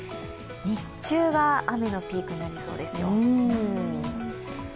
日中は雨のピークになりそうですよ。